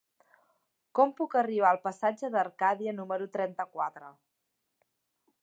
Com puc arribar al passatge d'Arcadia número trenta-quatre?